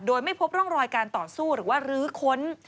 โดยไม่พบร่องรอยการต่อสู้หรือว่ารื้อค้น